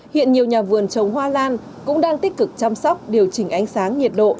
hiện nhiều nhà vườn trồng hoa lan cũng đang tích cực chăm sóc điều chỉnh ánh sáng nhiệt độ